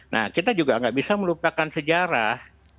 nah kita juga nggak bisa melupakan sejarah